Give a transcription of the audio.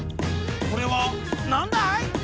これはなんだい？